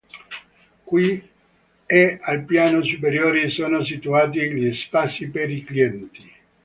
Qui e al piano superiore sono situati gli spazi per i clienti.